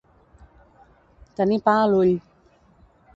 Tenir pa a l'ull.